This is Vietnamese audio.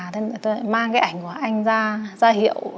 thế tôi mang cái ảnh của anh ra hiệu